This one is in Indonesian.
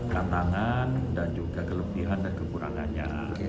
tantangan dan juga kelebihan dan kekurangannya